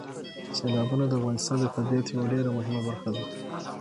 سیلابونه د افغانستان د طبیعت یوه ډېره مهمه برخه ده.